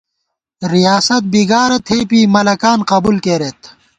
ریاست بیگارَہ تھېپی ، ملَکان قبُول کېرېت